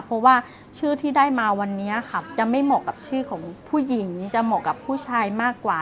เพราะว่าชื่อที่ได้มาวันนี้ค่ะจะไม่เหมาะกับชื่อของผู้หญิงจะเหมาะกับผู้ชายมากกว่า